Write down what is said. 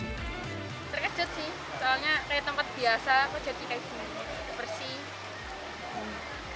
terkejut sih soalnya kayak tempat biasa kok jadi kayak bersih